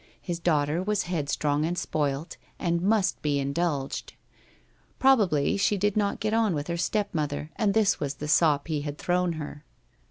His daughter was headstrong and spoilt, and must be indulged. Probably she did not get on with her step mother, and this was the sop he had thrown her.